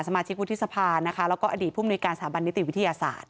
มาชิกวุฒิสภานะคะแล้วก็อดีตผู้มนุยการสถาบันนิติวิทยาศาสตร์